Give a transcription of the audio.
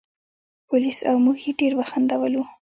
پولیس او موږ یې ډېر وخندولو.